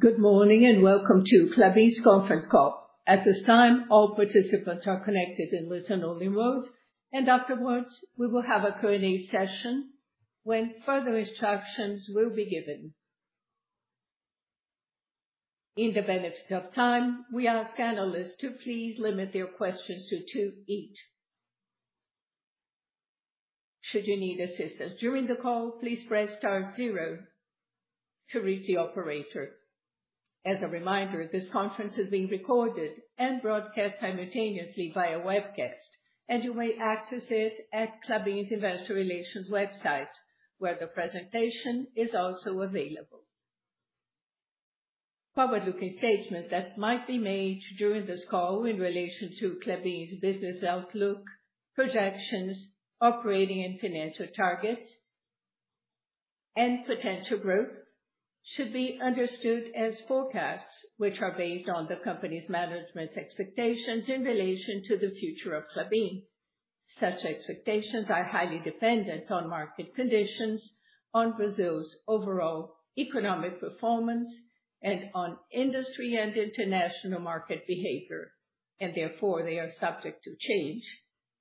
Good morning, and welcome to Klabin's conference call. At this time, all participants are connected in listen-only mode. Afterwards, we will have a Q&A session when further instructions will be given. In the interest of time, we ask analysts to please limit their questions to two each. Should you need assistance during the call, please press star zero to reach the operator. As a reminder, this conference is being recorded and broadcast simultaneously via webcast, and you may access it at Klabin's Investor Relations website, where the presentation is also available. Forward-looking statements that might be made during this call in relation to Klabin's business outlook, projections, operating and financial targets, and potential growth should be understood as forecasts, which are based on the company's management's expectations in relation to the future of Klabin. Such expectations are highly dependent on market conditions, on Brazil's overall economic performance, and on industry and international market behavior, and therefore, they are subject to change.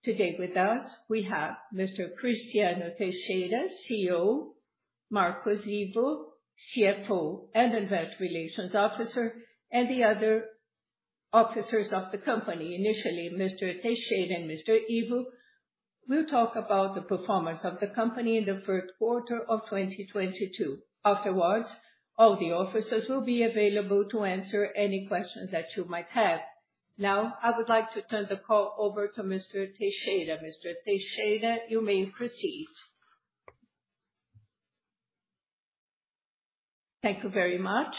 Today with us, we have Mr. Cristiano Teixeira, CEO, Marcos Ivo, CFO and Investor Relations Officer, and the other officers of the company. Initially, Mr. Teixeira and Mr. Ivo will talk about the performance of the company in the third quarter of 2022. Afterwards, all the officers will be available to answer any questions that you might have. Now, I would like to turn the call over to Mr. Teixeira. Mr. Teixeira, you may proceed. Thank you very much.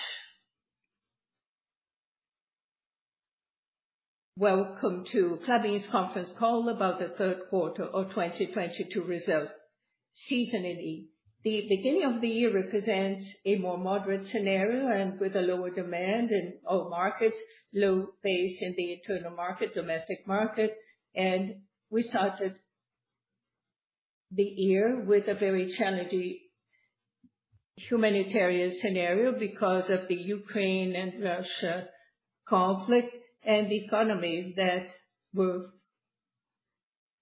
Welcome to Klabin's conference call about the third quarter of 2022 results. Season in the beginning of the year represents a more moderate scenario and with a lower demand in all markets, low base in the internal market, domestic market. We started the year with a very challenging humanitarian scenario because of the Ukraine and Russia conflict. The economy that we're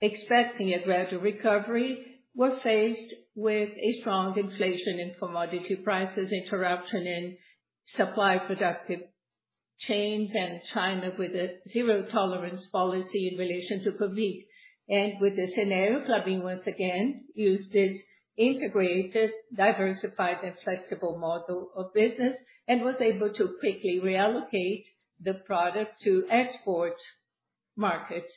expecting a gradual recovery was faced with a strong inflation in commodity prices, interruption in supply and production chains, and China with a zero-tolerance policy in relation to COVID. With the scenario, Klabin once again used its integrated, diversified, and flexible model of business and was able to quickly reallocate the products to export markets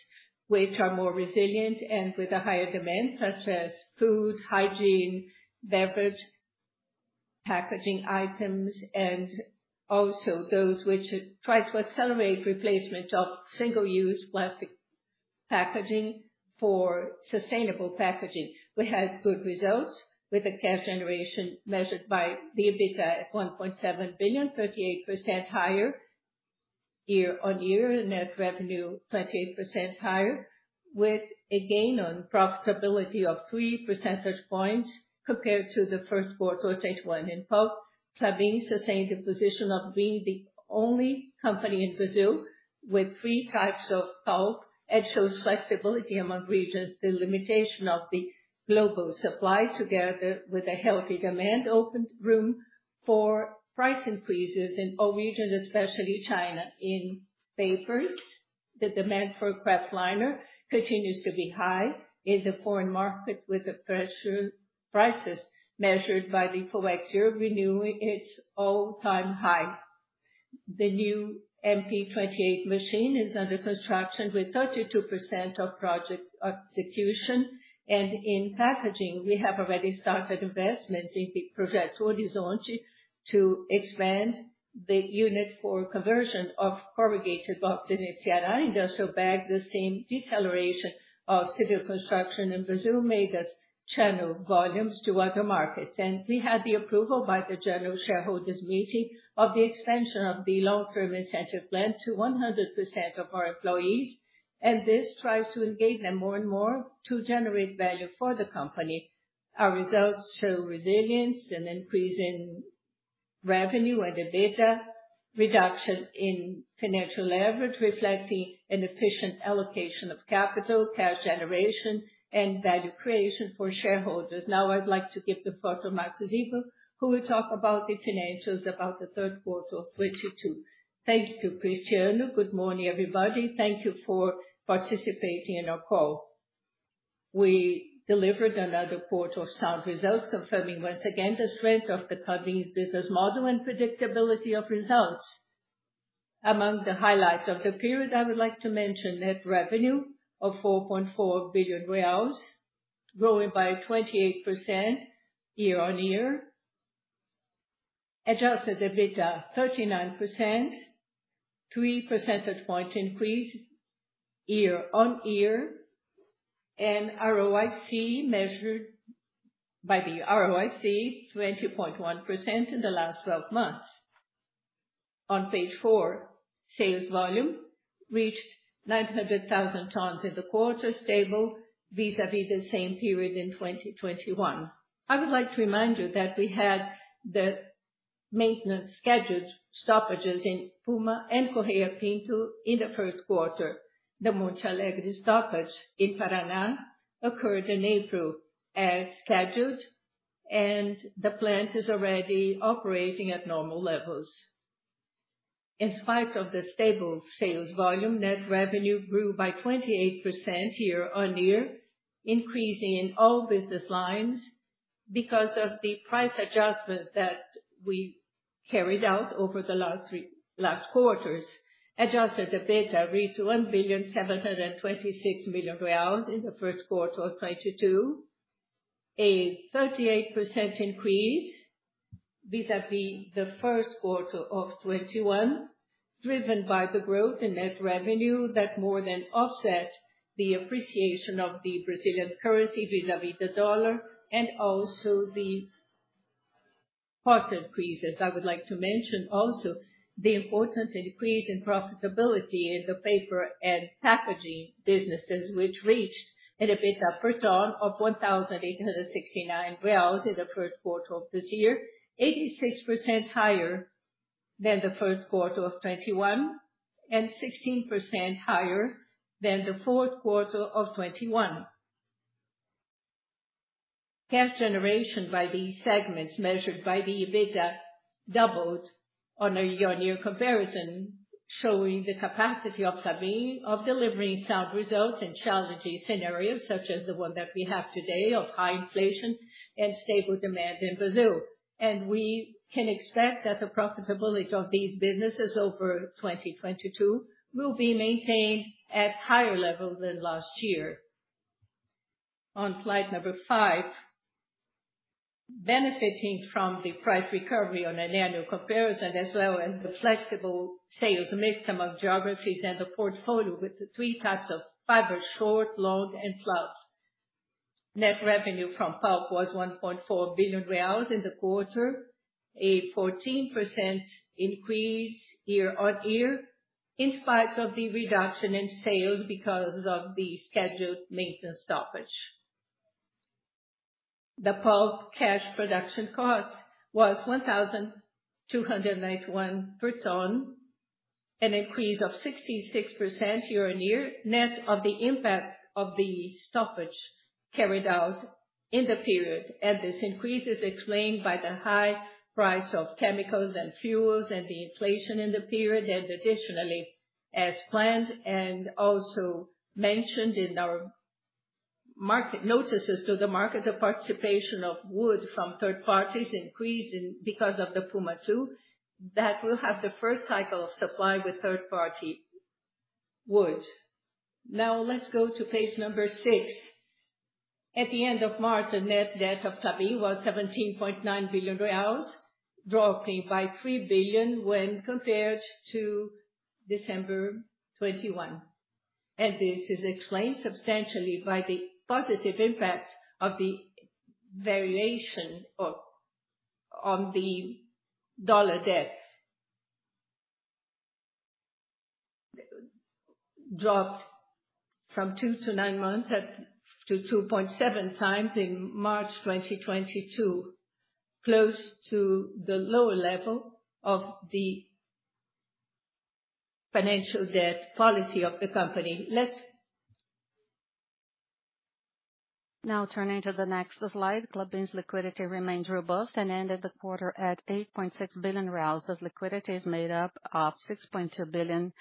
which are more resilient and with a higher demand, such as food, hygiene, beverage, packaging items. Also those which try to accelerate replacement of single-use plastic packaging for sustainable packaging. We had good results with the cash generation measured by the EBITDA at 1.7 billion, 38% higher year-over-year. Net revenue, 28% higher, with a gain on profitability of 3 percentage points compared to the first quarter of 2021. In pulp, Klabin sustained the position of being the only company in Brazil with three types of pulp and shows flexibility among regions. The limitation of the global supply together with a healthy demand opened room for price increases in all regions, especially China. In papers, the demand for kraftliner continues to be high in the foreign market with pressures, prices measured by the FOEX renewing its all-time high. The new MP28 machine is under construction with 32% of project execution. In packaging, we have already started investment in the project Horizonte to expand the unit for conversion of corrugated box in Ceará. Industrial bag, the same deceleration of civil construction in Brazil made us channel volumes to other markets. We had the approval by the general shareholders meeting of the extension of the long-term incentive plan to 100% of our employees. This tries to engage them more and more to generate value for the company. Our results show resilience, an increase in revenue and EBITDA, reduction in financial leverage, reflecting an efficient allocation of capital, cash generation, and value creation for shareholders. Now, I'd like to give the floor to Marcos Ivo, who will talk about the financials about the third quarter of 2022. Thank you, Cristiano. Good morning, everybody. Thank you for participating in our call. We delivered another quarter of sound results, confirming once again the strength of the Klabin's business model and predictability of results. Among the highlights of the period, I would like to mention net revenue of BRL 4.4 billion, growing by 28% year-on-year. Adjusted EBITDA 39%, 3 percentage point increase year-on-year. ROIC measured by the ROIC 20.1% in the last 12 months. On page four, sales volume reached 900,000 tons in the quarter, stable vis-à-vis the same period in 2021. I would like to remind you that we had the maintenance scheduled stoppages in Puma and Correia Pinto in the first quarter. The Monte Alegre stoppage in Paraná occurred in April as scheduled, and the plant is already operating at normal levels. In spite of the stable sales volume, net revenue grew by 28% year-on-year, increasing in all business lines because of the price adjustment that we carried out over the last three quarters. Adjusted EBITDA reached 1,726 million reais in the first quarter of 2022. A 38% increase vis-à-vis the first quarter of 2021, driven by the growth in net revenue that more than offset the appreciation of the Brazilian currency vis-à-vis the dollar, and also the cost increases. I would like to mention also the important increase in profitability in the paper and packaging businesses, which reached an EBITDA per ton of 1,869 in the first quarter of this year, 86% higher than the first quarter of 2021, and 16% higher than the fourth quarter of 2021. Cash generation by these segments, measured by the EBITDA, doubled on a year-on-year comparison, showing the capacity of Klabin of delivering sound results in challenging scenarios, such as the one that we have today of high inflation and stable demand in Brazil. We can expect that the profitability of these businesses over 2022 will be maintained at higher level than last year. On slide number five, benefiting from the price recovery on an annual comparison as well, and the flexible sales mix among geographies and the portfolio with the three types of fiber, short, long and fluff. Net revenue from pulp was 1.4 billion reais in the quarter, a 14% increase year-on-year in spite of the reduction in sales because of the scheduled maintenance stoppage. The pulp cash production cost was 1,291 per ton, a 66% increase year-on-year, net of the impact of the stoppage carried out in the period. This increase is explained by the high price of chemicals and fuels and the inflation in the period. Additionally, as planned and also mentioned in our market notices to the market, the participation of wood from third parties increased because of the Puma II that will have the first cycle of supply with third-party wood. Now, let's go to page six. At the end of March, the net debt of Klabin was 17.9 billion reais, dropping by 3 billion when compared to December 2021. This is explained substantially by the positive impact of the variation of the dollar debt. It dropped from 2.9x to 2.7x in March 2022, close to the lower level of the financial debt policy of the company. Now, turning to the next slide. Klabin's liquidity remains robust and ended the quarter at 8.6 billion. This liquidity is made up of 6.2 billion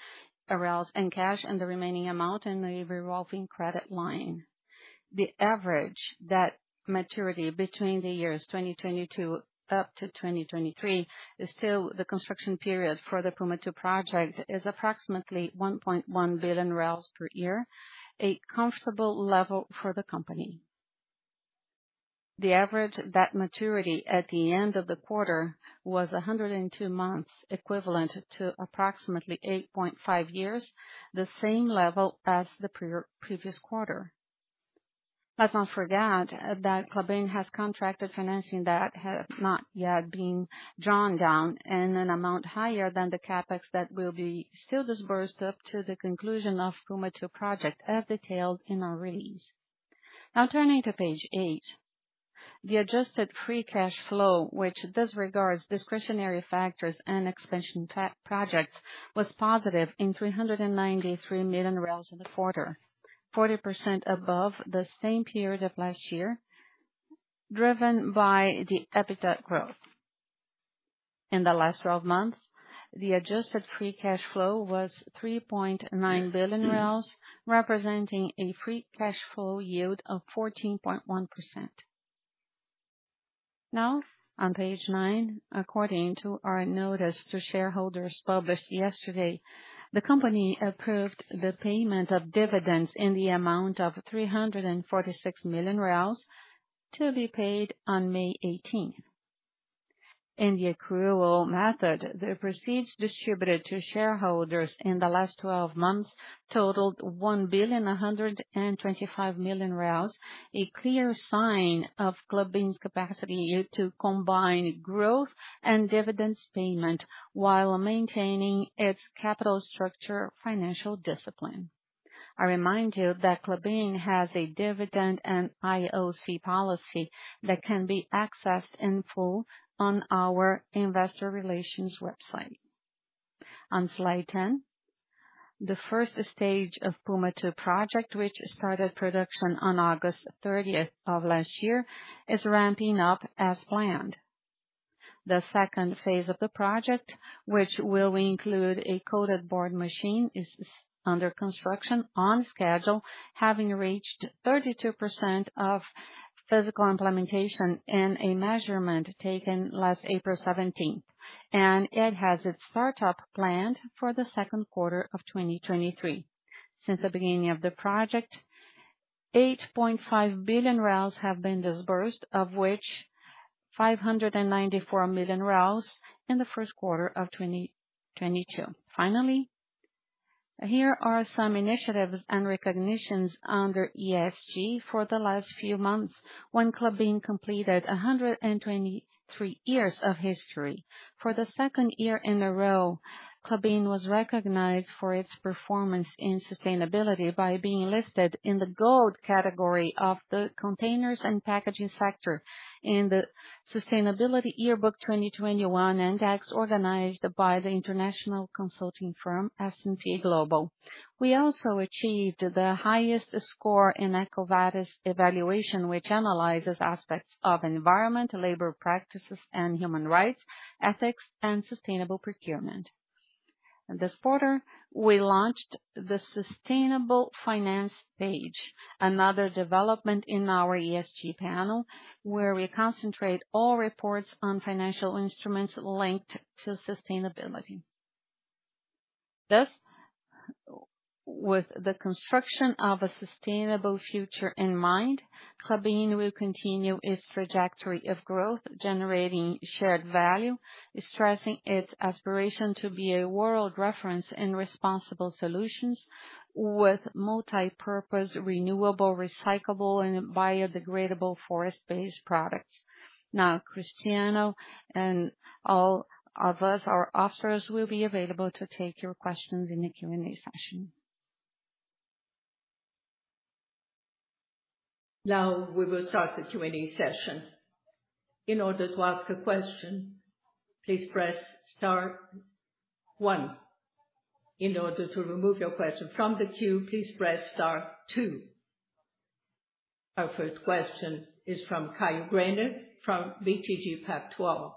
in cash and the remaining amount in a revolving credit line. The average maturity between the years 2022 up to 2023, still the construction period for the Puma II Project, is approximately 1.1 billion per year, a comfortable level for the company. The average maturity at the end of the quarter was 102 months, equivalent to approximately 8.5 years, the same level as the previous quarter. Let's not forget that Klabin has contracted financing that has not yet been drawn down in an amount higher than the CapEx that will be still disbursed up to the conclusion of Puma II Project, as detailed in our release. Now, turning to page 8. The adjusted free cash flow, which disregards discretionary factors and expansion projects, was positive 393 million in the quarter. 40% above the same period of last year, driven by the EBITDA growth. In the last 12 months, the adjusted free cash flow was BRL 3.9 billion, representing a free cash flow yield of 14.1%. Now, on page nine. According to our notice to shareholders published yesterday, the company approved the payment of dividends in the amount of 346 million reais to be paid on May 18th. In the accrual method, the proceeds distributed to shareholders in the last 12 months totaled 1.125 billion, a clear sign of Klabin's capacity to combine growth and dividends payment while maintaining its capital structure financial discipline. I remind you that Klabin has a dividend and IOE policy that can be accessed in full on our investor relations website. On slide 10, the first stage of Puma II project, which started production on August 30th of last year, is ramping up as planned. The second phase of the project, which will include a coated board machine, is under construction on schedule, having reached 32% of physical implementation in a measurement taken last April 17. It has its start-up planned for the second quarter of 2023. Since the beginning of the project, 8.5 billion have been disbursed, of which 594 million in the first quarter of 2022. Finally, here are some initiatives and recognitions under ESG for the last few months, when Klabin completed 123 years of history. For the second year in a row, Klabin was recognized for its performance in sustainability by being listed in the gold category of the containers and packaging sector in the Sustainability Yearbook 2021 index organized by the international consulting firm S&P Global. We also achieved the highest score in EcoVadis evaluation, which analyzes aspects of environment, labor practices and human rights, ethics and sustainable procurement. In this quarter, we launched the sustainable finance page, another development in our ESG panel, where we concentrate all reports on financial instruments linked to sustainability. Thus, with the construction of a sustainable future in mind, Klabin will continue its trajectory of growth, generating shared value, stressing its aspiration to be a world reference in responsible solutions with multipurpose, renewable, recyclable and biodegradable forest-based products. Now, Cristiano and all of us, our officers, will be available to take your questions in the Q&A session. Now, we will start the Q&A session. In order to ask a question, please press star one. In order to remove your question from the queue, please press star two. Our first question is from Caio Greiner from BTG Pactual.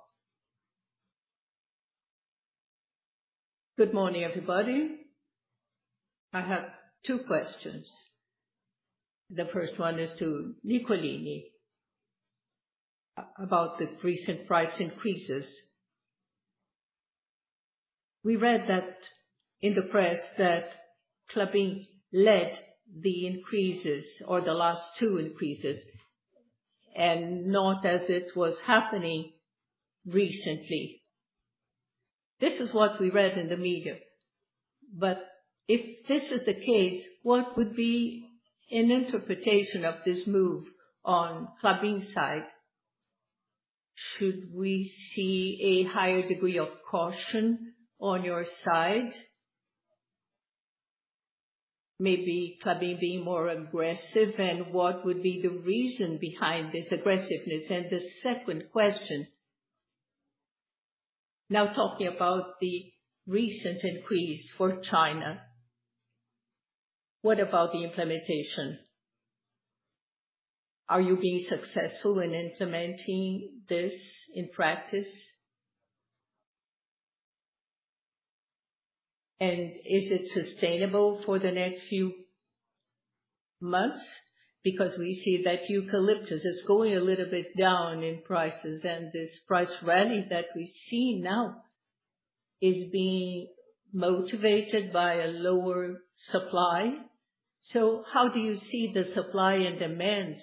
Good morning, everybody. I have two questions. The first one is to Nicolini about the recent price increases. We read that in the press that Klabin led the increases or the last two increases and not as it was happening recently. This is what we read in the media, but if this is the case, what would be an interpretation of this move on Klabin's side? Should we see a higher degree of caution on your side? Maybe Klabin being more aggressive, and what would be the reason behind this aggressiveness? The second question, now talking about the recent increase for China, what about the implementation? Are you being successful in implementing this in practice? Is it sustainable for the next few months? We see that eucalyptus is going a little bit down in prices and this price rally that we see now is being motivated by a lower supply. How do you see the supply and demand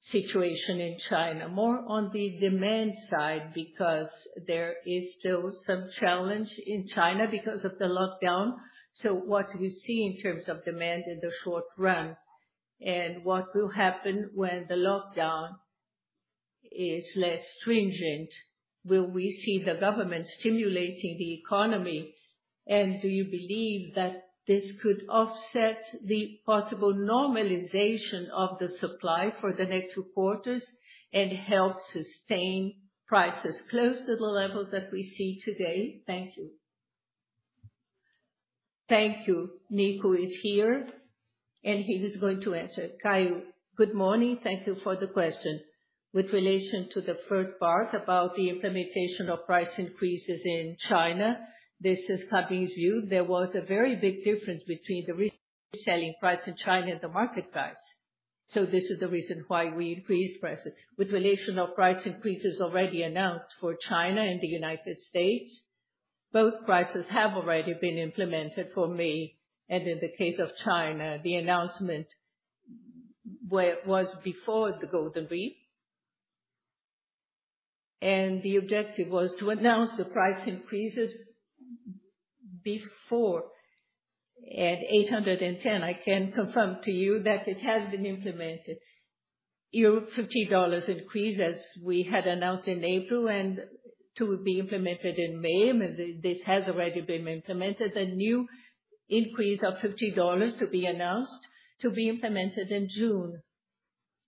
situation in China? More on the demand side because there is still some challenge in China because of the lockdown. What do you see in terms of demand in the short run, and what will happen when the lockdown is less stringent? Will we see the government stimulating the economy? Do you believe that this could offset the possible normalization of the supply for the next two quarters and help sustain prices close to the levels that we see today? Thank you. Thank you. Nico is here, and he is going to answer. Caio, good morning. Thank you for the question. With relation to the first part about the implementation of price increases in China, this is Klabin's view. There was a very big difference between the re-selling price in China and the market price. This is the reason why we increased prices. With relation of price increases already announced for China and the United States, both prices have already been implemented for me. In the case of China, the announcement was before the Golden Week. The objective was to announce the price increases before at 810. I can confirm to you that it has been implemented. Your $50 increase as we had announced in April and to be implemented in May, this has already been implemented. A new increase of $50 to be announced to be implemented in June.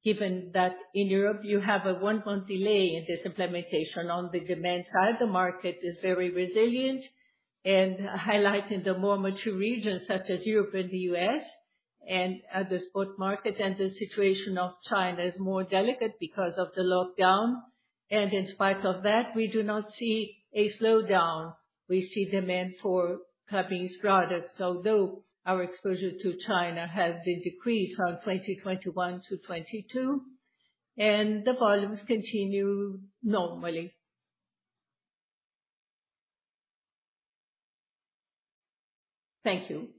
Given that in Europe you have a one month delay in this implementation on the demand side, the market is very resilient and highlighting the more mature regions such as Europe and the U.S. and other spot market. The situation of China is more delicate because of the lockdown. In spite of that, we do not see a slowdown. We see demand for Klabin's products, although our exposure to China has been decreased from 2021 to 2022, and the volumes continue normally. Thank you.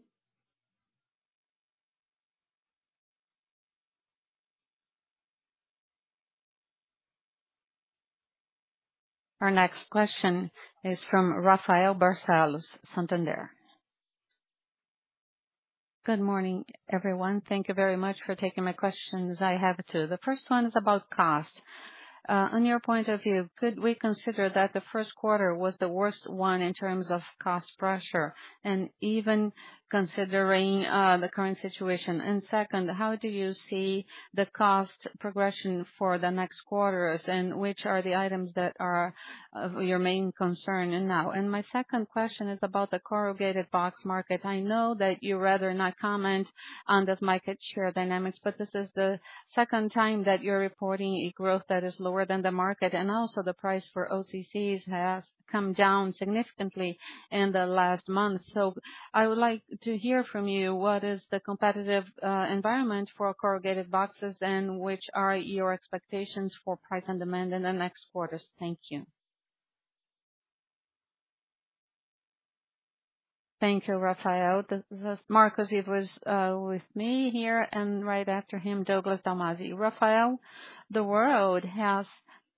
Our next question is from Rafael Barcellos, Bradesco BBI. Good morning, everyone. Thank you very much for taking my questions. I have two. The first one is about cost. On your point of view, could we consider that the first quarter was the worst one in terms of cost pressure and even considering the current situation? Second, how do you see the cost progression for the next quarters, and which are the items that are your main concern now? My second question is about the corrugated box market. I know that you rather not comment on this market share dynamics, but this is the second time that you're reporting a growth that is lower than the market, and also the price for OCCs has come down significantly in the last month. I would like to hear from you, what is the competitive environment for corrugated boxes, and which are your expectations for price and demand in the next quarters? Thank you. Thank you, Rafael. This is Marcos Ivo with me here, and right after him, Douglas Dalmasi. Rafael, the world has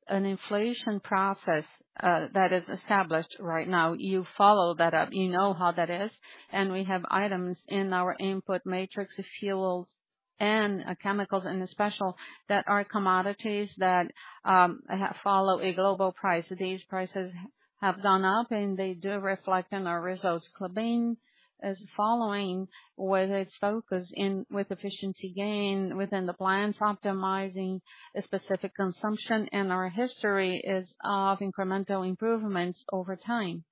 an inflation process that is established right now. You follow that up. You know how that is. We have items in our input matrix of fuels and chemicals in the special that are commodities that follow a global price. These prices have gone up, and they do reflect on our results. Klabin is following with its focus with efficiency gain within the plants, optimizing a specific consumption, and our history is of incremental improvements over time.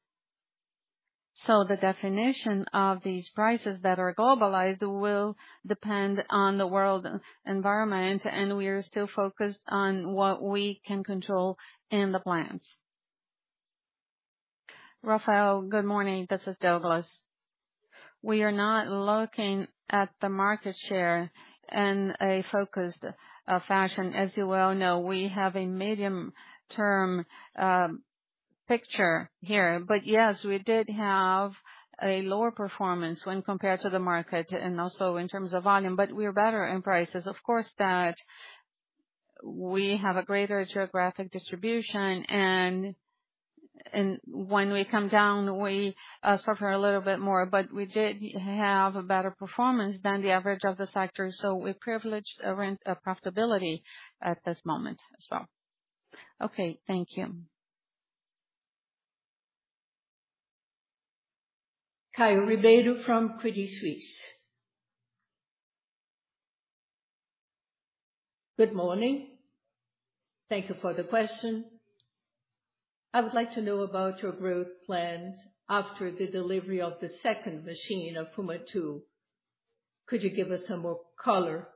The definition of these prices that are globalized will depend on the world environment, and we are still focused on what we can control in the plants. Rafael, good morning. This is Douglas. We are not looking at the market share in a focused fashion. As you well know, we have a medium-term picture here. Yes, we did have a lower performance when compared to the market and also in terms of volume, but we are better in prices. Of course, that we have a greater geographic distribution and when we come down, we suffer a little bit more. We did have a better performance than the average of the sector. We privileged around profitability at this moment as well. Okay, thank you. Caio Ribeiro from Credit Suisse. Good morning. Thank you for the question. I would like to know about your growth plans after the delivery of the second machine of Puma II. Could you give us some more color?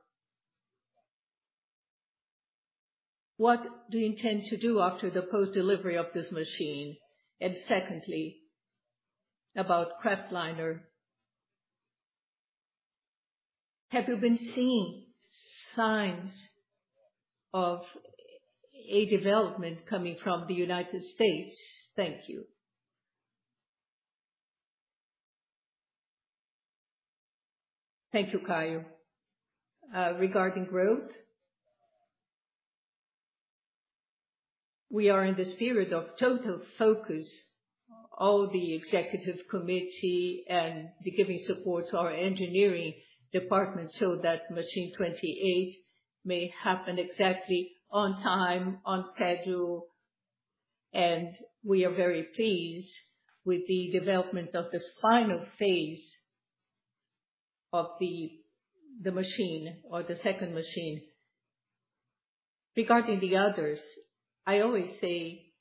What do you intend to do after the post delivery of this machine? Secondly, about kraftliner, have you been seeing signs of a development coming from the United States? Thank you. Thank you, Caio. Regarding growth, we are in the spirit of total focus. All the executive committee and giving support to our engineering department so that machine 28 may happen exactly on time, on schedule, and we are very pleased with the development of this final phase of the machine or the second machine. Regarding the others, I always say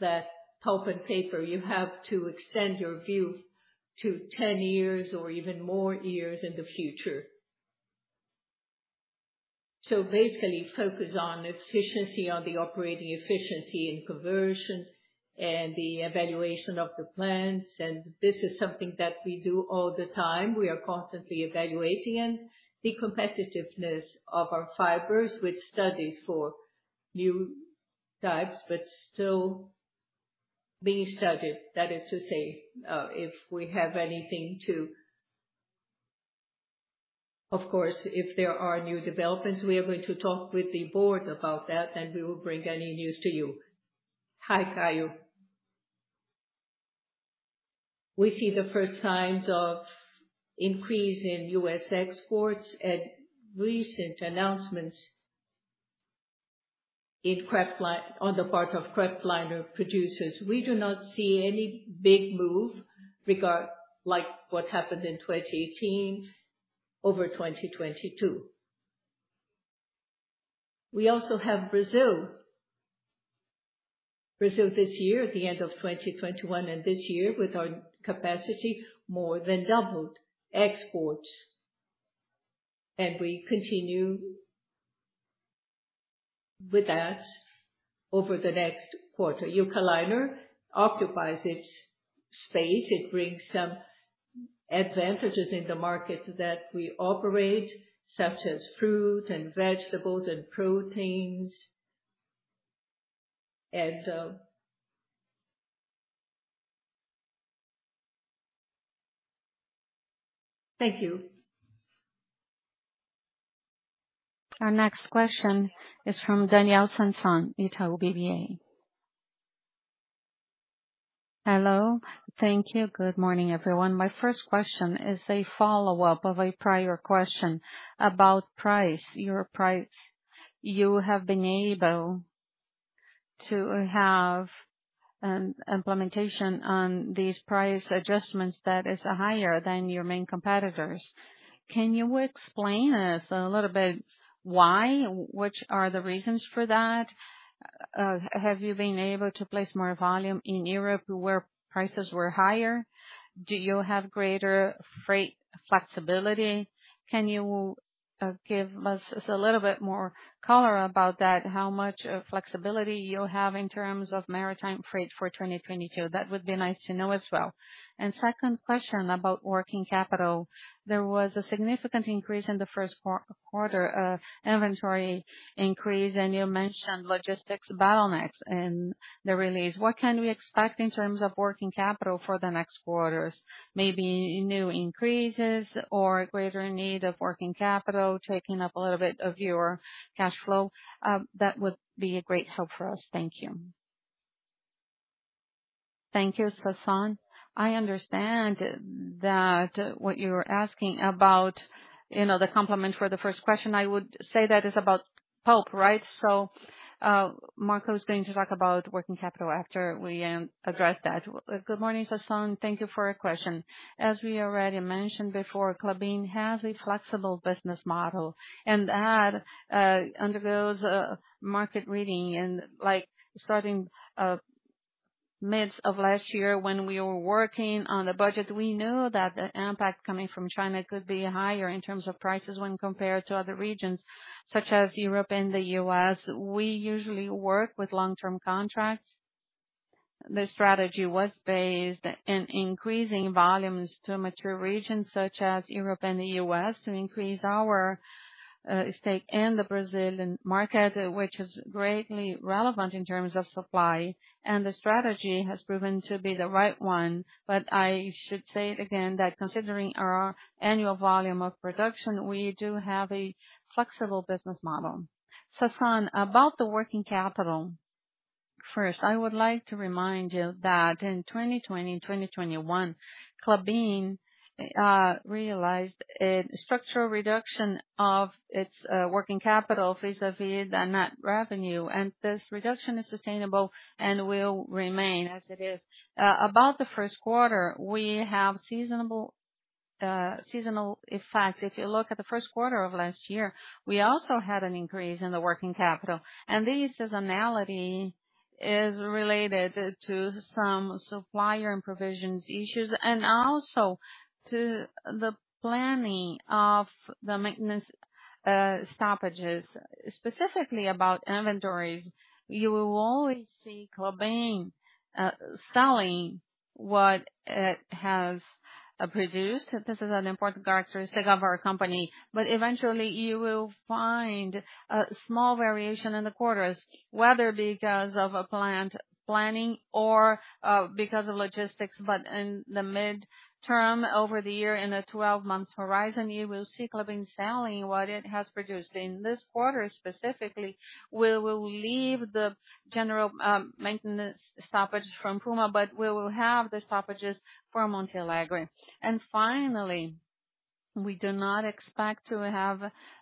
that pulp and paper, you have to extend your view to 10 years or even more years in the future. Basically focus on efficiency, on the operating efficiency and conversion and the evaluation of the plants. This is something that we do all the time. We are constantly evaluating it. The competitiveness of our fibers with studies for new types, but still being studied. Of course, if there are new developments, we are going to talk with the board about that, and we will bring any news to you. Hi, Caio. We see the first signs of increase in US exports and recent announcements in kraftliner on the part of kraftliner producers. We do not see any big move regard like what happened in 2018 over 2022. We also have Brazil. Brazil this year at the end of 2021 and this year with our capacity more than doubled exports, and we continue with that over the next quarter. Eucalyptus occupies its space. It brings some advantages in the market that we operate, such as fruit and vegetables and proteins. Thank you. Our next question is from Daniel Sasson, Itaú BBA. Hello. Thank you. Good morning, everyone. My first question is a follow-up of a prior question about price, your price. You have been able to have implementation on these price adjustments that is higher than your main competitors. Can you explain us a little bit why, which are the reasons for that? Have you been able to place more volume in Europe where prices were higher? Do you have greater freight flexibility? Can you give us a little bit more color about that, how much flexibility you have in terms of maritime freight for 2022? That would be nice to know as well. Second question about working capital. There was a significant increase in the first quarter, inventory increase, and you mentioned logistics bottlenecks in the release. What can we expect in terms of working capital for the next quarters? Maybe new increases or greater need of working capital, taking up a little bit of your cash flow? That would be a great help for us. Thank you. Thank you, Sasson. I understand that what you are asking about, you know, the complement for the first question, I would say that is about pulp, right? Marcos is going to talk about working capital after we address that. Good morning, Sasson. Thank you for your question. As we already mentioned before, Klabin has a flexible business model, and that undergoes market reading. Like starting mid of last year when we were working on the budget, we knew that the impact coming from China could be higher in terms of prices when compared to other regions such as Europe and the U.S. We usually work with long-term contracts. The strategy was based in increasing volumes to mature regions such as Europe and the U.S. to increase our stake in the Brazilian market, which is greatly relevant in terms of supply, and the strategy has proven to be the right one. I should say it again that considering our annual volume of production, we do have a flexible business model. Sasson, about the working capital, first, I would like to remind you that in 2020 and 2021, Klabin realized a structural reduction of its working capital vis-a-vis the net revenue, and this reduction is sustainable and will remain as it is. About the first quarter, we have seasonal effects. If you look at the first quarter of last year, we also had an increase in the working capital, and this seasonality is related to some supplier and provisions issues and also to the planning of the maintenance stoppages. Specifically about inventories, you will always see Klabin selling what it has produced. This is an important characteristic of our company. But eventually you will find a small variation in the quarters, whether because of a planned planning or because of logistics. But in the mid-term, over the year, in a twelve-month horizon, you will see Klabin selling what it has produced. In this quarter specifically, we will leave the general maintenance stoppage from Puma, but we will have the stoppages for Monte Alegre. Finally, we do not expect to have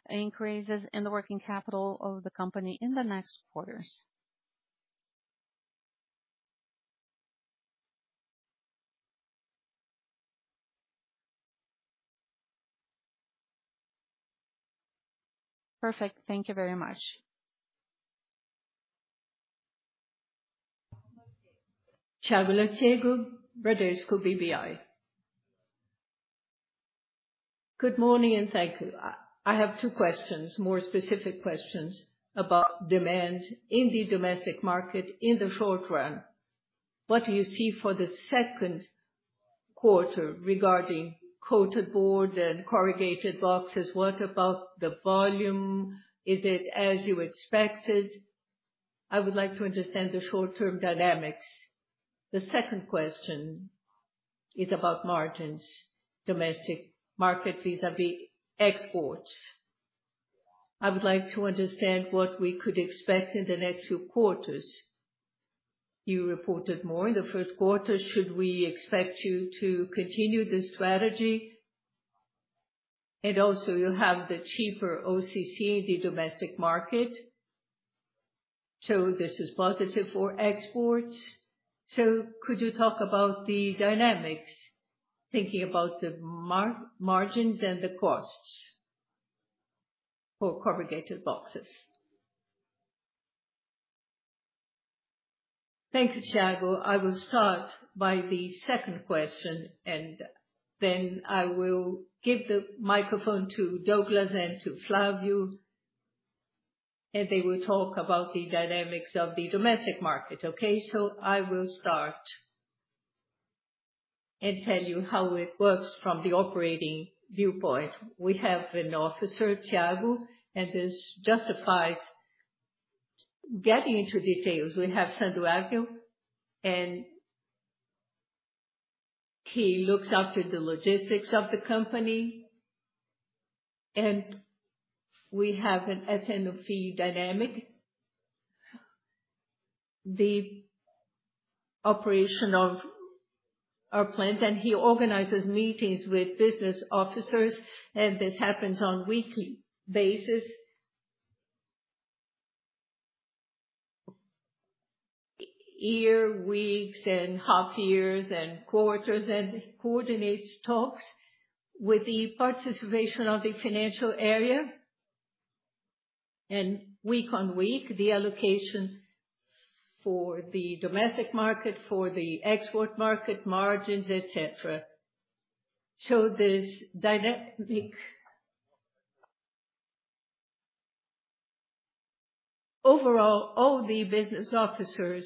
increases in the working capital of the company in the next quarters. Perfect. Thank you very much. Thiago Lofiego, Bradesco BBI. Good morning, and thank you. I have two questions, more specific questions about demand in the domestic market in the short run. What do you see for the second quarter regarding coated boards and corrugated boxes? What about the volume? Is it as you expected? I would like to understand the short-term dynamics. The second question is about margins, domestic market vis-à-vis exports. I would like to understand what we could expect in the next few quarters. You reported more in the first quarter. Should we expect you to continue this strategy? Also you have the cheaper OCC in the domestic market, so this is positive for exports. Could you talk about the dynamics, thinking about the margins and the costs for corrugated boxes. Thank you, Thiago. I will start by the second question, and then I will give the microphone to Douglas and to Flavio, and they will talk about the dynamics of the domestic market. Okay, I will start and tell you how it works from the operating viewpoint. We have an officer, Thiago, and this justifies getting into details. We have Sandro Ávila, and he looks after the logistics of the company, and we have an S&OP dynamic. The operation of our plant, and he organizes meetings with business officers, and this happens on weekly basis. Year, weeks, and half years, and quarters, and coordinates talks with the participation of the financial area. Week on week, the allocation for the domestic market, for the export market, margins, et cetera. This dynamic. Overall, all the business officers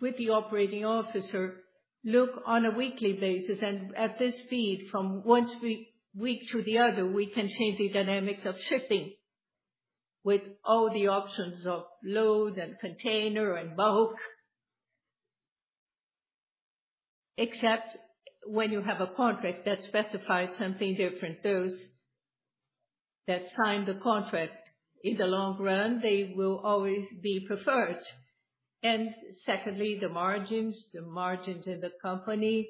with the operating officer look on a weekly basis, and at this speed, from one week to the other, we can change the dynamics of shipping with all the options of load and container and bulk. Except when you have a contract that specifies something different, those that sign the contract in the long run, they will always be preferred. Secondly, the margins in the company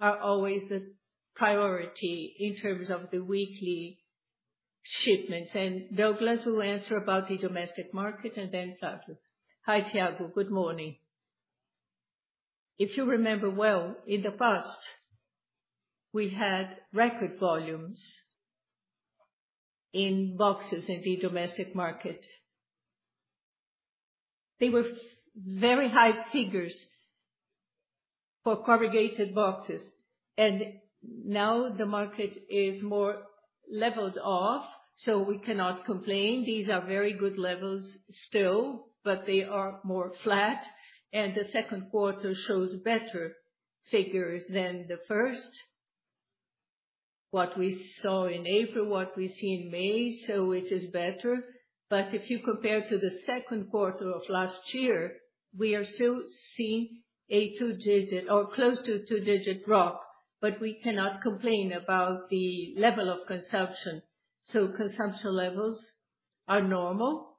are always the priority in terms of the weekly shipments. Douglas will answer about the domestic market and then Flavio. Hi, Thiago. Good morning. If you remember well, in the past, we had record volumes in boxes in the domestic market. They were very high figures for corrugated boxes, and now the market is more leveled off, so we cannot complain. These are very good levels still, but they are more flat, and the second quarter shows better figures than the first. What we saw in April, what we see in May, so it is better. If you compare to the second quarter of last year, we are still seeing a two-digit or close to a two-digit drop, but we cannot complain about the level of consumption. Consumption levels are normal,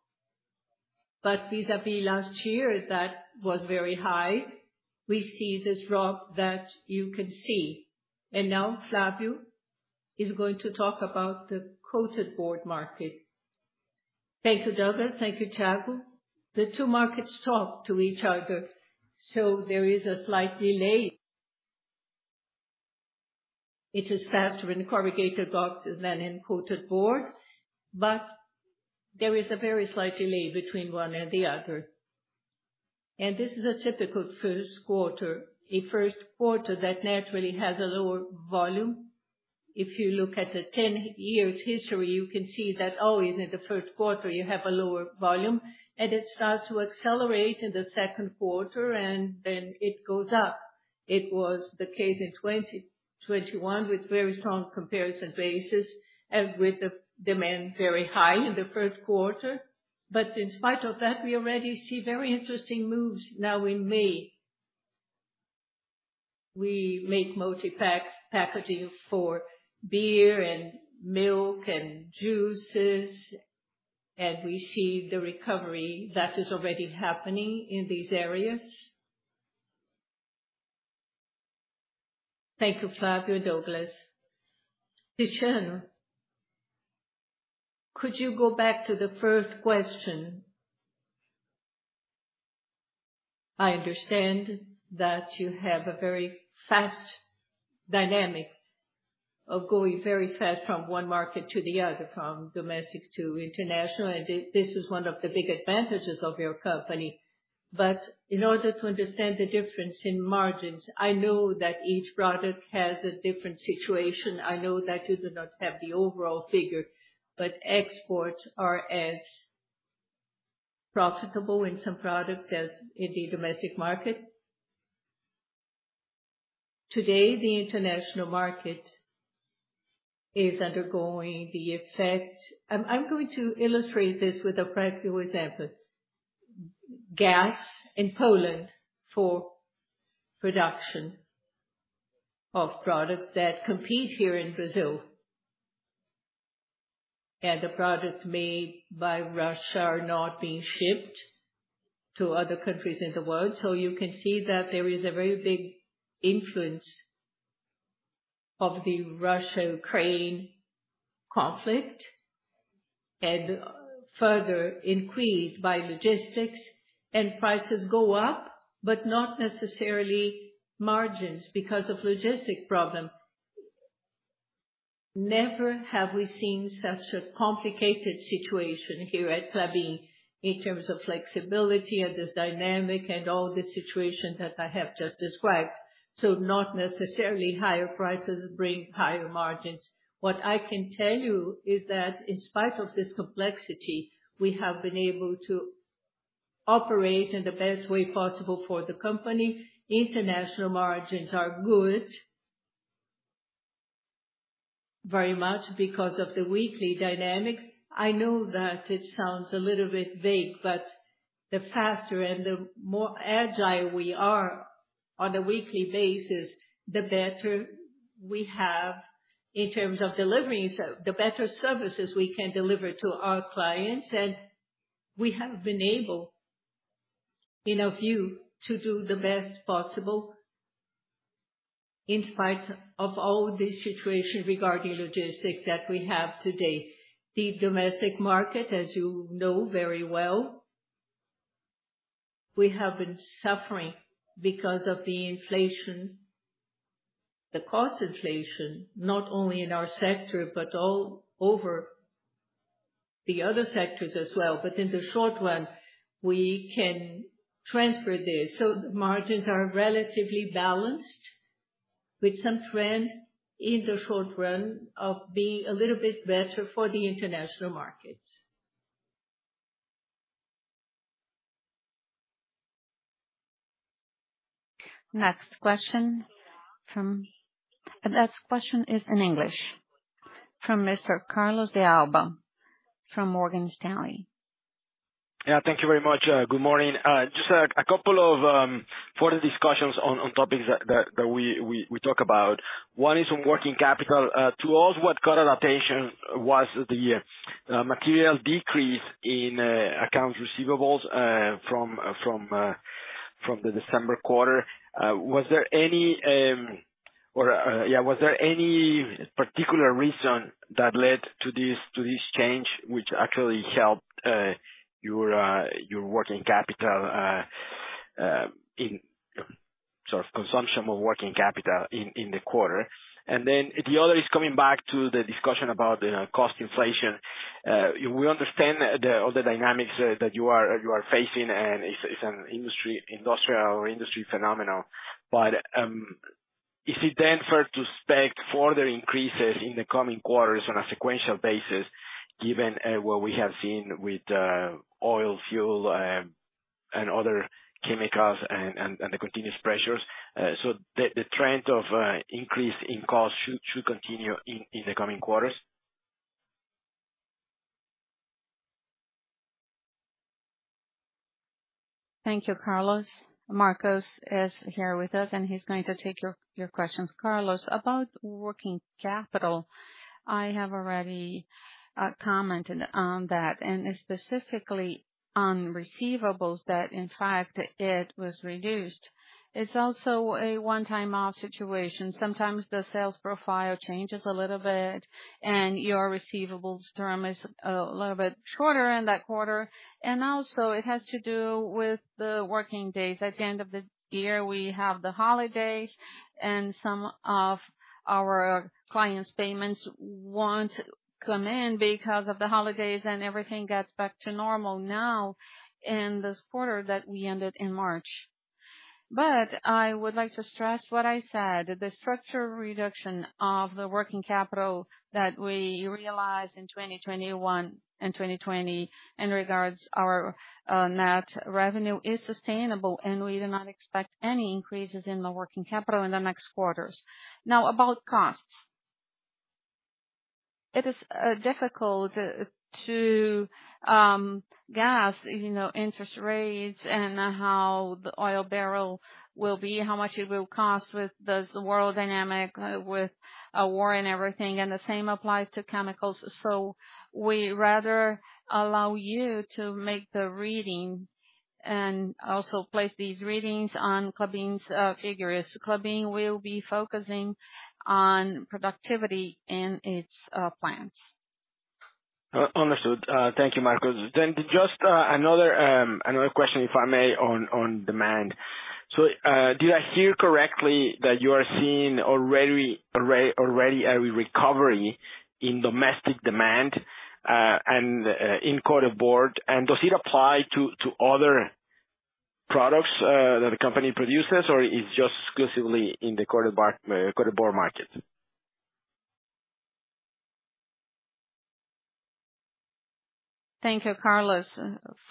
but vis-à-vis last year, that was very high. We see this drop that you can see. Now, Flavio is going to talk about the coated board market. Thank you, Douglas. Thank you, Thiago. The two markets talk to each other, so there is a slight delay. It is faster in corrugated boxes than in coated board, but there is a very slight delay between one and the other. This is a typical first quarter, a first quarter that naturally has a lower volume. If you look at the 10-year history, you can see that always in the first quarter you have a lower volume and it starts to accelerate in the second quarter and then it goes up. It was the case in 2021 with very strong comparison basis and with the demand very high in the first quarter. In spite of that, we already see very interesting moves now in May. We make multi-pack packaging for beer and milk and juices, and we see the recovery that is already happening in these areas. Thank you, Flavio, Douglas. Cristiano, could you go back to the first question? I understand that you have a very fast dynamic of going very fast from one market to the other, from domestic to international, and this is one of the big advantages of your company. In order to understand the difference in margins, I know that each product has a different situation. I know that you do not have the overall figure, but exports are as profitable in some products as in the domestic market. Today, the international market is undergoing the effect. I'm going to illustrate this with a practical example. Gas in Poland for production of products that compete here in Brazil. The products made by Russia are not being shipped to other countries in the world. You can see that there is a very big influence of the Russia-Ukraine conflict, and further increased by logistics and prices go up, but not necessarily margins because of logistics problem. Never have we seen such a complicated situation here at Klabin in terms of flexibility and this dynamic and all the situation that I have just described. Not necessarily higher prices bring higher margins. What I can tell you is that in spite of this complexity, we have been able to operate in the best way possible for the company. International margins are good. Very much because of the weekly dynamics. I know that it sounds a little bit vague, but the faster and the more agile we are on a weekly basis, the better we have in terms of deliveries, the better services we can deliver to our clients. We have been able, in our view, to do the best possible in spite of all this situation regarding logistics that we have today. The domestic market, as you know very well, we have been suffering because of the inflation, the cost inflation, not only in our sector, but all over the other sectors as well. In the short run, we can transfer this. The margins are relatively balanced with some trend in the short run of being a little bit better for the international markets. The next question is in English from Mr. Carlos De Alba from Morgan Stanley. Thank you very much. Good morning. Just a couple of further discussions on topics that we talk about. One is on working capital. To us, what caught our attention was the material decrease in accounts receivables from the December quarter. Was there any particular reason that led to this change which actually helped your working capital in sort of consumption of working capital in the quarter? The other is coming back to the discussion about, you know, cost inflation. We understand all the dynamics that you are facing and it's an industrial or industry phenomenon. Is it then fair to expect further increases in the coming quarters on a sequential basis given what we have seen with oil, fuel, and other chemicals and the continuous pressures?. The trend of increase in cost should continue in the coming quarters? Thank you, Carlos. Marcos is here with us, and he's going to take your questions. Carlos, about working capital, I have already commented on that and specifically on receivables that in fact it was reduced. It's also a one-time off situation. Sometimes the sales profile changes a little bit and your receivables term is a little bit shorter in that quarter. Also it has to do with the working days. At the end of the year, we have the holidays and some of our clients' payments won't come in because of the holidays and everything gets back to normal now in this quarter that we ended in March. I would like to stress what I said. The structure reduction of the working capital that we realized in 2021 and 2020 in regards to our net revenue is sustainable and we do not expect any increases in the working capital in the next quarters. Now, about costs. It is difficult to guess, you know, interest rates and how the oil barrel will be, how much it will cost with this world dynamic, with a war and everything, and the same applies to chemicals. We rather allow you to make the reading and also place these readings on Klabin's figures. Klabin will be focusing on productivity in its plants. Understood. Thank you, Marcos. Just another question if I may on demand. Did I hear correctly that you are seeing already a recovery in domestic demand and in cardboard? And does it apply to other products that the company produces or is just exclusively in the cardboard market? Thank you, Carlos,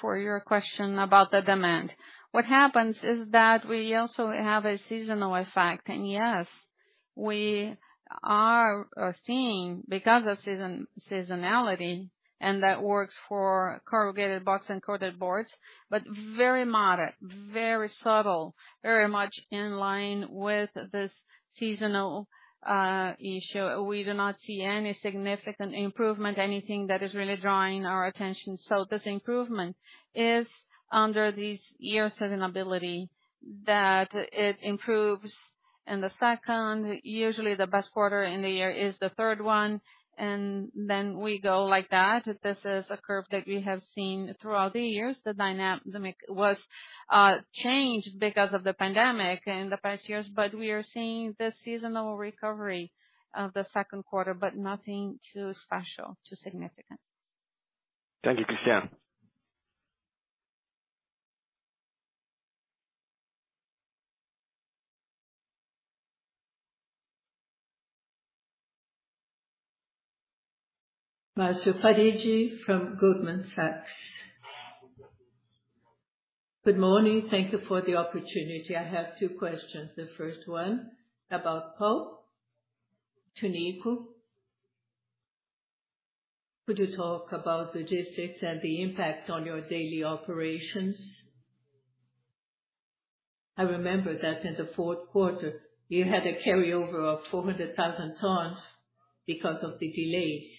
for your question about the demand. What happens is that we also have a seasonal effect. Yes, we are seeing because of seasonality, and that works for corrugated box and coated boards, but very moderate, very subtle, very much in line with this seasonal issue. We do not see any significant improvement, anything that is really drawing our attention. This improvement is under the yearly seasonality that it improves in the second. Usually the best quarter in the year is the third one, and then we go like that. This is a curve that we have seen throughout the years. The market was changed because of the pandemic in the past years, but we are seeing the seasonal recovery of the second quarter, but nothing too special, too significant. Thank you, Cristiano. Marcio Farid from Goldman Sachs. Good morning. Thank you for the opportunity. I have two questions. The first one about pulp, Tunico. Could you talk about logistics and the impact on your daily operations? I remember that in the fourth quarter, you had a carryover of 400,000 tons because of the delays.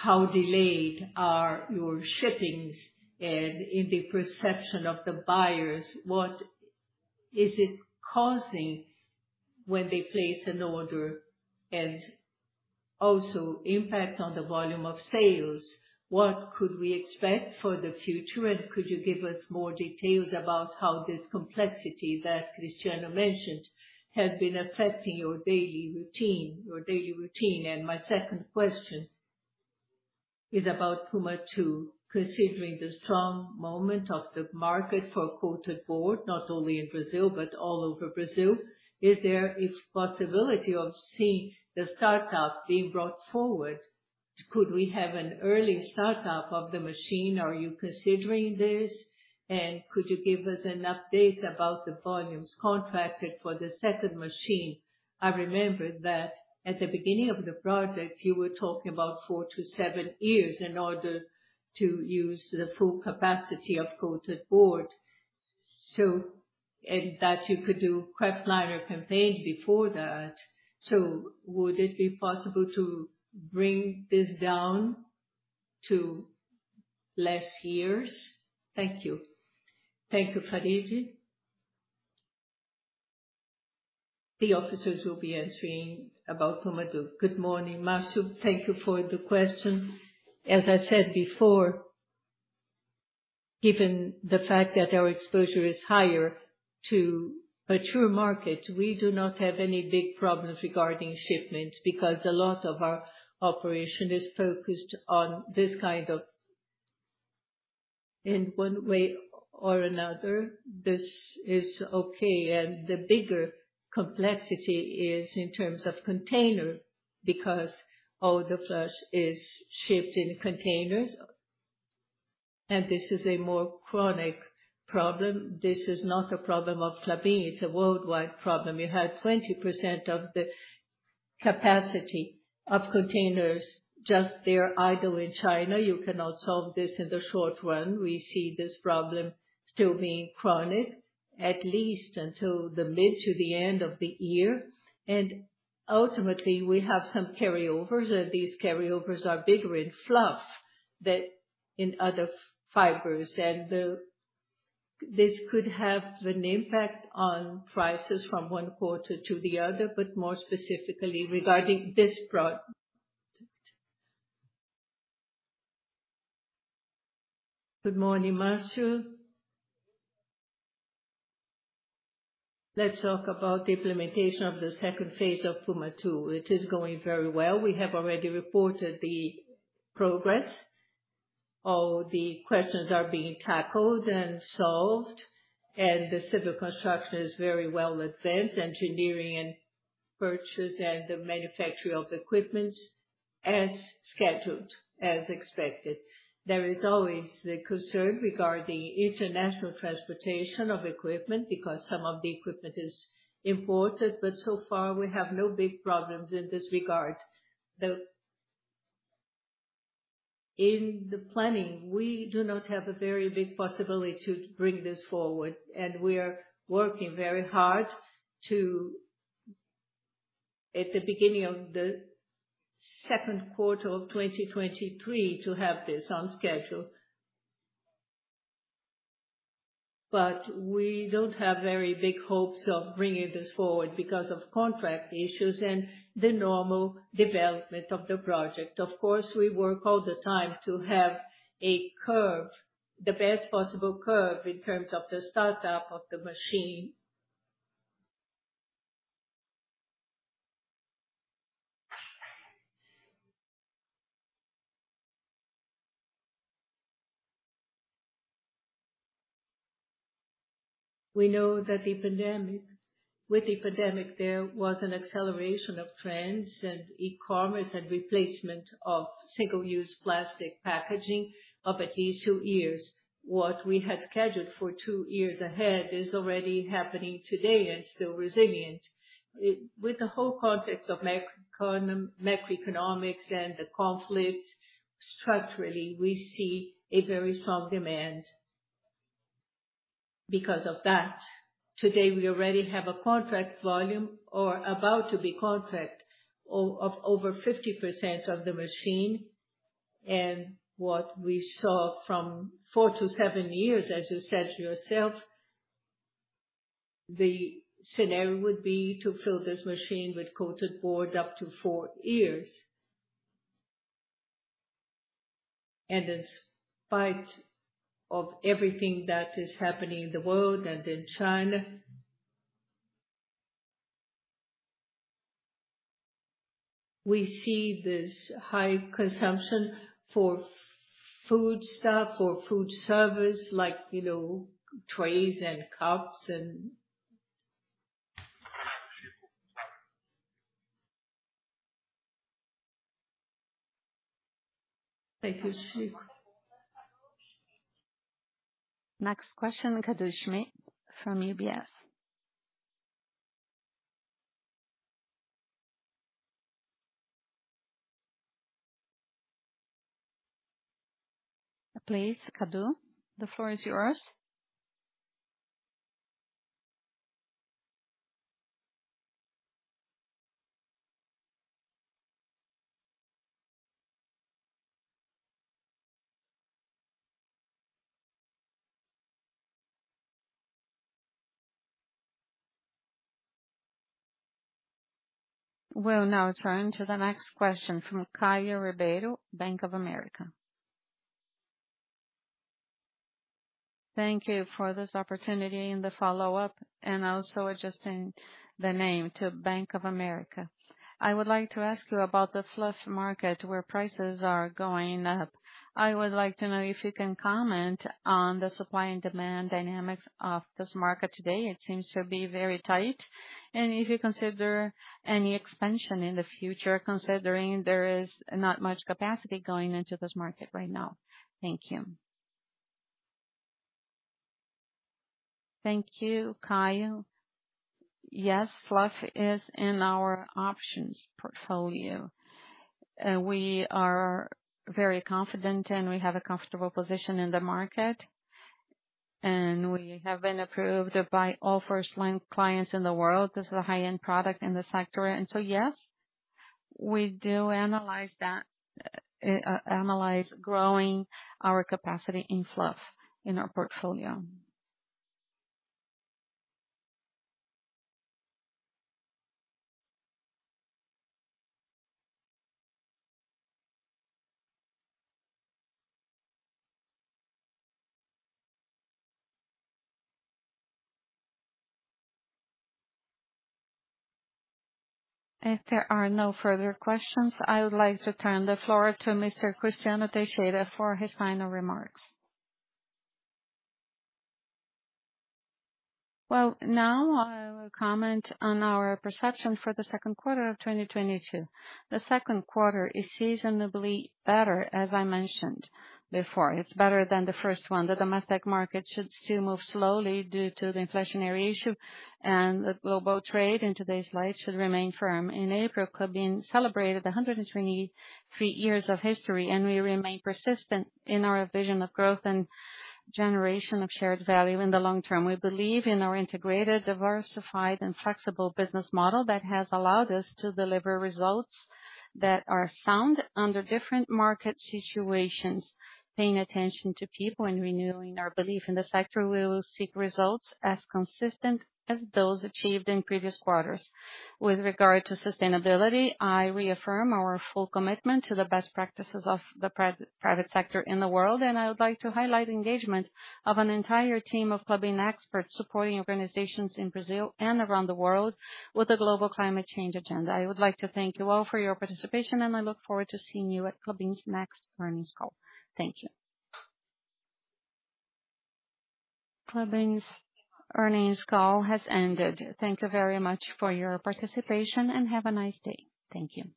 How delayed are your shippings? And in the perception of the buyers, what is it causing when they place an order, and also impact on the volume of sales? What could we expect for the future? And could you give us more details about how this complexity that Cristiano mentioned has been affecting your daily routine? And my second question is about Puma II. Considering the strong moment of the market for coated board, not only in Brazil but all over Brazil, is there a possibility of seeing the start up being brought forward? Could we have an early start up of the machine? Are you considering this? Could you give us an update about the volumes contracted for the second machine? I remember that at the beginning of the project, you were talking about four to seven years in order to use the full capacity of coated board, and that you could do kraftliner campaign before that. Would it be possible to bring this down to less years? Thank you. Thank you, Farid. The officers will be answering about Puma II. Good morning, Marcio. Thank you for the question. As I said before, given the fact that our exposure is higher to mature markets, we do not have any big problems regarding shipments because a lot of our operation is focused on this kind of. In one way or another, this is okay. The bigger complexity is in terms of container, because all the fluff is shipped in containers, and this is a more chronic problem. This is not a problem of Klabin. It's a worldwide problem. You have 20% of the capacity of containers just there idle in China. You cannot solve this in the short run. We see this problem still being chronic at least until the mid to the end of the year. Ultimately we have some carryovers, and these carryovers are bigger in fluff than in other fibers. This could have an impact on prices from one quarter to the other, but more specifically regarding this product. Good morning, Marcio Farid. Let's talk about the implementation of the second phase of Puma II. It is going very well. We have already reported the progress. All the questions are being tackled and solved, and the civil construction is very well advanced. Engineering and purchases and the manufacturing of equipment as scheduled, as expected. There is always the concern regarding international transportation of equipment because some of the equipment is imported, but so far we have no big problems in this regard. In the planning, we do not have a very big possibility to bring this forward, and we are working very hard to, at the beginning of the second quarter of 2023 to have this on schedule. But we don't have very big hopes of bringing this forward because of contract issues and the normal development of the project. Of course, we work all the time to have a curve, the best possible curve in terms of the start up of the machine. We know that with the pandemic, there was an acceleration of trends and e-commerce and replacement of single-use plastic packaging of at least two years. What we had scheduled for two years ahead is already happening today and still resilient. With the whole context of macroeconomics and the conflict, structurally, we see a very strong demand because of that. Today, we already have a contract volume or about to be contracted of over 50% of the machine. What we saw from four to seven years, as you said yourself, the scenario would be to fill this machine with coated boards up to four years. In spite of everything that is happening in the world and in China, we see this high consumption for foodstuff, for food service like, you know, trays and cups. Next question, Caio from UBS. Please, Caio, the floor is yours. We'll now turn to the next question from Caio Ribeiro, Bank of America. Thank you for this opportunity and the follow-up, and also adjusting the name to Bank of America. I would like to ask you about the fluff market where prices are going up. I would like to know if you can comment on the supply and demand dynamics of this market today. It seems to be very tight. If you consider any expansion in the future, considering there is not much capacity going into this market right now. Thank you. Thank you, Caio. Yes, fluff is in our options portfolio. We are very confident, and we have a comfortable position in the market, and we have been approved by all first-line clients in the world. This is a high-end product in the sector. Yes, we do analyze that, analyze growing our capacity in fluff in our portfolio. If there are no further questions, I would like to turn the floor to Mr. Cristiano Teixeira for his final remarks. Well, now I will comment on our perception for the second quarter of 2022. The second quarter is seasonally better, as I mentioned before. It's better than the first one. The domestic market should still move slowly due to the inflationary issue, and the global trade into this slide should remain firm. In April, Klabin celebrated 123 years of history, and we remain persistent in our vision of growth and generation of shared value in the long term. We believe in our integrated, diversified and flexible business model that has allowed us to deliver results that are sound under different market situations. Paying attention to people and renewing our belief in the sector, we will seek results as consistent as those achieved in previous quarters. With regard to sustainability, I reaffirm our full commitment to the best practices of the private sector in the world, and I would like to highlight engagement of an entire team of Klabin experts supporting organizations in Brazil and around the world with a global climate change agenda. I would like to thank you all for your participation, and I look forward to seeing you at Klabin's next earnings call. Thank you. Klabin's earnings call has ended. Thank you very much for your participation, and have a nice day. Thank you.